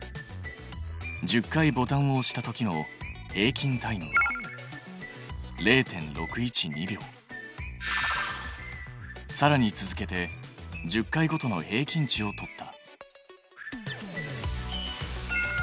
１０回ボタンを押したときの平均タイムはさらに続けて１０回ごとの平均値を取った。